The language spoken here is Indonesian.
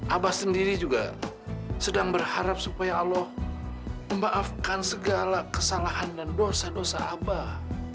abah sendiri juga sedang berharap supaya allah memaafkan segala kesalahan dan dosa dosa abah